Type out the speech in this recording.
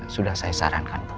sudah saya sarankan bu